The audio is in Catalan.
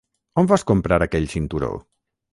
On vas comprar aquell cinturó?